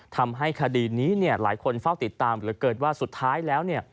ทำให้คดีนี้หลายคนเฝ้าติดตามหรือเกิดว่าสุดท้ายแล้ว